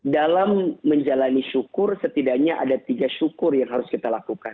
dalam menjalani syukur setidaknya ada tiga syukur yang harus kita lakukan